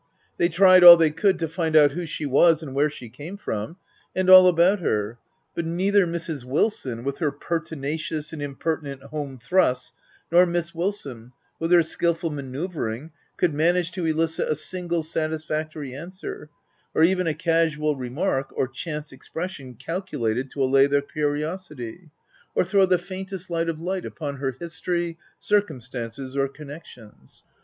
They tried all they could to find out who she was, and where she came from, and all about her, but neither Mrs. Wil son, with her pertinacious and impertinent home thrusts, nor Miss Wilson, with her skil ful manceuvering, could manage to elicit a single satisfactory answer, or even a casual remark, or chance expression calculated to allay their curiosity, or throw the faintest ray of light upon her history, circumstances, or connexions.